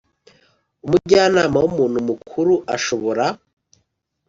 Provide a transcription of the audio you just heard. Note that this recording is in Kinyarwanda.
Umujyanama w umuntu mukuru ashobora